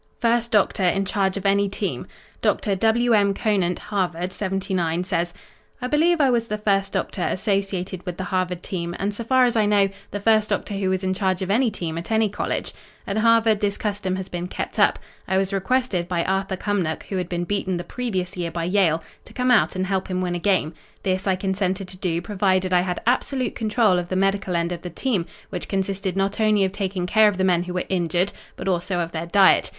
FIRST DOCTOR IN CHARGE OF ANY TEAM Doctor W. M. Conant, Harvard '79, says: "I believe I was the first doctor associated with the Harvard team, and so far as I know, the first doctor who was in charge of any team at any college. At Harvard this custom has been kept up. I was requested by Arthur Cumnock, who had been beaten the previous year by Yale, to come out and help him win a game. This I consented to do provided I had absolute control of the medical end of the team, which consisted not only of taking care of the men who were injured, but also of their diet.